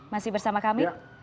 masih bersama kami